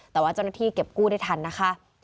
แต่ว่าเจ้าหน้าที่เก็บกู้ได้ทันนะคะ